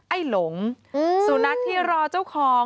ไอ้หลงสู่นักที่รอเจ้าของ